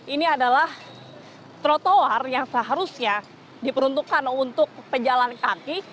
ini adalah trotoar yang seharusnya diperuntukkan untuk pejalan kaki